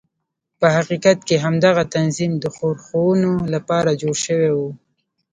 په حقیقت کې همدغه تنظیم د ښورښونو لپاره جوړ شوی و.